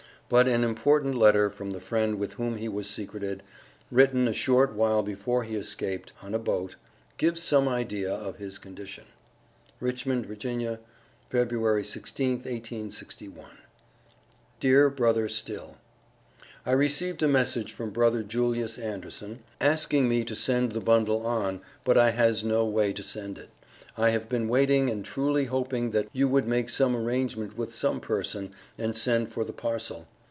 But an important letter from the friend with whom he was secreted, written a short while before he escaped (on a boat), gives some idea of his condition: RICHMOND, VA., February 16th, 1861. DEAR BROTHER STILL: I received a message from brother Julius anderson, asking me to send the bundle on but I has no way to send it, I have been waiting and truly hopeing that you would make some arrangement with some person, and send for the parcel.